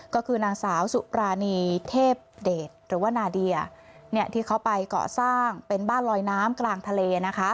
ก็คือนางสาวสุปรานีเทพเดชหรือว่านาเดียที่เขาไปเกาะสร้างเป็นบ้านลอยน้ำกลางทะเล